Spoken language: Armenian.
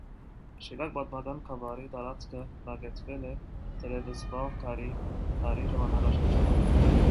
Շիրակ պատմական գավառի տարածքը բնակեցվել է դեռևս վաղ քարի դարի ժամանակաշրջանում։